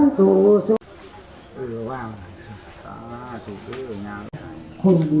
นี่ก็จับนี่